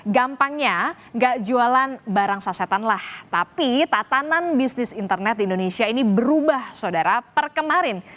gampangnya gak jualan barang sasetan lah tapi tatanan bisnis internet di indonesia ini berubah saudara per kemarin